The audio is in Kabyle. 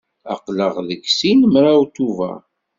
Aql-aɣ deg sin mraw Tubeṛ.